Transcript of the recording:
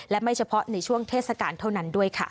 และไม่เฉพาะในช่วงเทศกาลเท่านั้นด้วยค่ะ